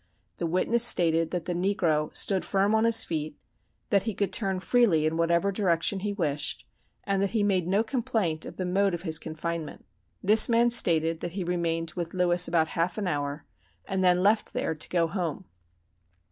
The witness stated that the negro 'stood firm on his feet,' that he could turn freely in whatever direction he wished, and that he made no complaint of the mode of his confinement. This man stated that he remained with Lewis about half an hour, and then left there to go home.